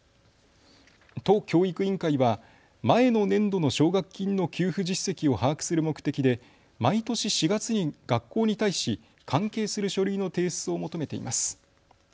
都教育委員会は前の年度の奨学金の給付実績を把握する目的で毎年４月に学校に対し関係する書類の提出を求めています。